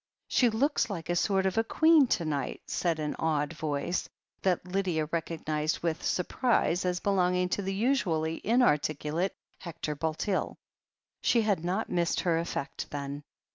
"She looks like a sort of queen to night," said an awed voice, that Lydia recognized with surprise as belonging to the usually inarticulate Hector Bulteel. She had not missed her effect, then.